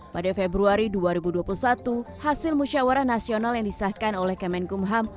pada februari dua ribu dua puluh satu hasil musyawarah nasional yang disahkan oleh kemenkumham